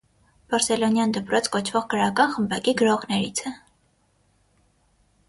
Բարսելոնյան դպրոց կոչվող գրական խմբակի գրողներից է։